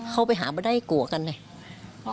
เขาไปหาประได้กลัวกันเนี่ย